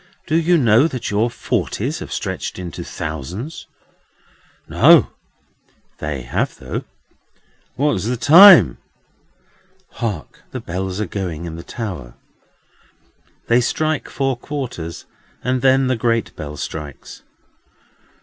"Do you know that your forties have stretched into thousands?" "No." "They have though." "What's the time?" "Hark! The bells are going in the Tower!" They strike four quarters, and then the great bell strikes.